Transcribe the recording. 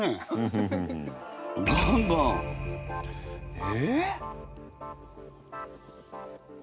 え？